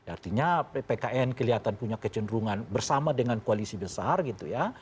artinya pkn kelihatan punya kecenderungan bersama dengan koalisi besar gitu ya